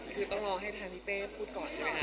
คือต้องรอให้ทางพี่เป้พูดก่อนนะคะ